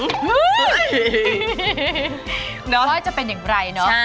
ก็จะเป็นอย่างไรเนอะ